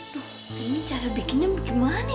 tuh ini cara bikinnya gimana ya